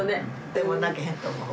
でも泣けへんと思う。